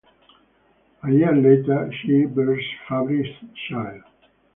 A year later she bears Fabrice's child.